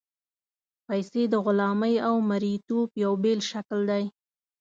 پیسې د غلامۍ او مرییتوب یو بېل شکل دی.